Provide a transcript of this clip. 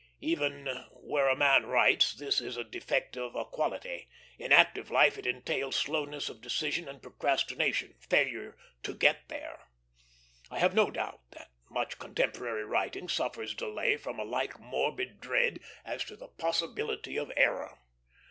Even where a man writes, this is a defect of a quality; in active life it entails slowness of decision and procrastination, failure "to get there." I have no doubt that much contemporary writing suffers delay from a like morbid dread as to possibility of error.